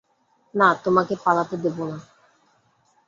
না, তোমাকে পালাতে দেব না।